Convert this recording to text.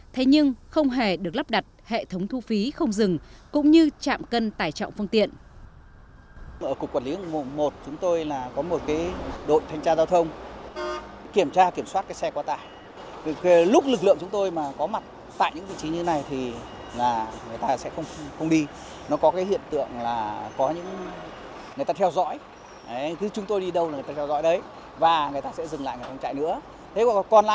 thế nhưng không hề được lắp đặt hệ thống thu phí không dừng cũng như trạm cân tải trọng phương tiện